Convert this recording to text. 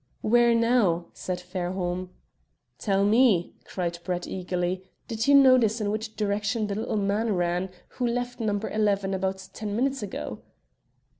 "Where now?" said Fairholme. "Tell me," cried Brett eagerly, "did you notice in which direction the little man ran who left No. 11 about ten minutes ago?"